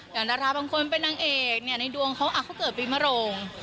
อย่างดาราบางคนเป็นนางเอกในดวงเขาเขาเกิดปีมรงค์